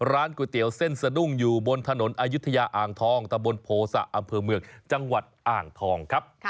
ร้านก๋วยเตี๋ยวเส้นสะดุ้งอยู่บนถนนอายุทยาอ่างทองตะบนโภษะอำเภอเมืองจังหวัดอ่างทองครับ